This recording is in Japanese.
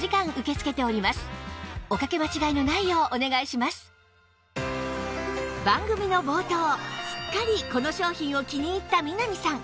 さらにこちらも番組の冒頭すっかりこの商品を気に入った南さん